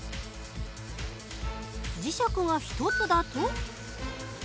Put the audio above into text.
磁石が１つだと。